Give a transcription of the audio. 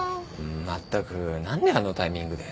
まったく何であのタイミングで。